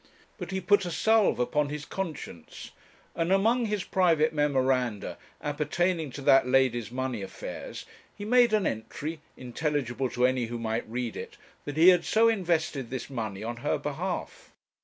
But he put a salve upon his conscience, and among his private memoranda, appertaining to that lady's money affairs he made an entry, intelligible to any who might read it, that he had so invested this money on her behalf.